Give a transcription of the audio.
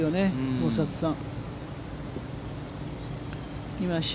大里さん。